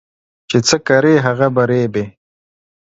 چي څه کرې ، هغه به رېبې.